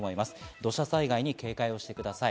土砂災害に警戒をしてください。